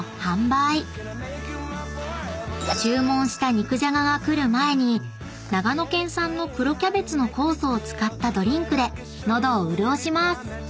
［注文した肉じゃがが来る前に長野県産の黒キャベツの酵素を使ったドリンクで喉を潤します］